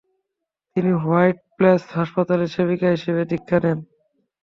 তিনি White Plains হাসপাতালে সেবিকা হিসেবে দীক্ষা নেন।